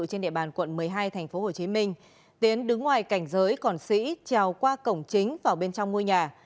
trên địa bàn quận một mươi hai tp hcm tiến đứng ngoài cảnh giới còn sĩ trèo qua cổng chính vào bên trong ngôi nhà